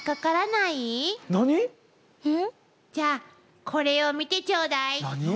じゃあこれを見てちょうだい。